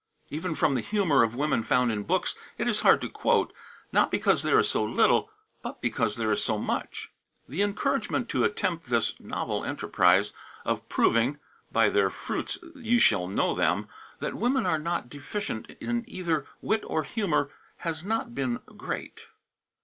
Even from the humor of women found in books it is hard to quote not because there is so little, but because there is so much. The encouragement to attempt this novel enterprise of proving ("by their fruits ye shall know them") that women are not deficient in either wit or humor has not been great.